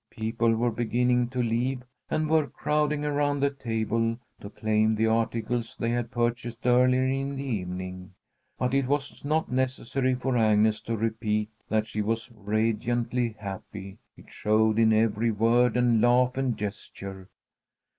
People were beginning to leave, and were crowding around the table to claim the articles they had purchased earlier in the evening. But it was not necessary for Agnes to repeat that she was radiantly happy. It showed in every word and laugh and gesture.